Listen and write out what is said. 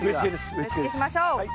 植え付けしましょう。